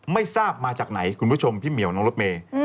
ไม่ทราบมาจากไหนคุณผู้ชมพี่เหมียวน้องรถเมย์